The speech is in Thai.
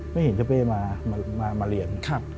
ไม่เห็นเจ้าเป้มาเรียน